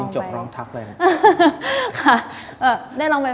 จริงจบลองทัก